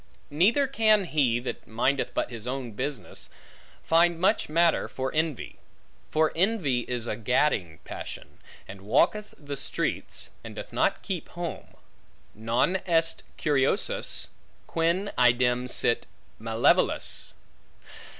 Neither can he, that mindeth but his own business, find much matter for envy. For envy is a gadding passion, and walketh the streets, and doth not keep home: Non est curiosus, quin idem sit malevolus.